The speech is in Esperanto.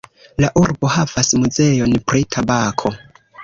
La urbo havas muzeon pri tabako.